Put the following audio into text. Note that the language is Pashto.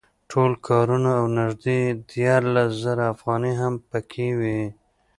ټول کارتونه او نږدې دیارلس زره افغانۍ هم په کې وې.